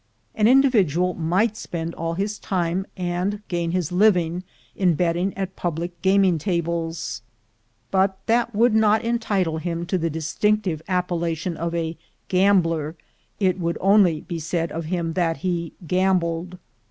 An individual might spend all his time, and gain his living, in betting at public gaming tables, but that would not entitle him to the distinc tive appellation of a gambler; it would only be said of him that he gambled.